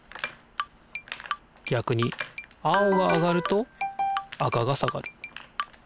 逆に青が上がると赤が下がる。